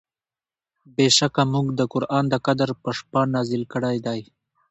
بېشکه مونږ دا قرآن د قدر په شپه نازل کړی دی